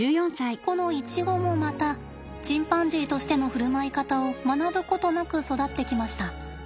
このイチゴもまたチンパンジーとしての振る舞い方を学ぶことなく育ってきました。